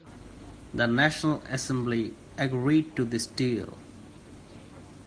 The National Assembly agreed to this deal.